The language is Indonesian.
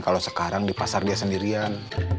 kalau sekarang di pasar dia sendirian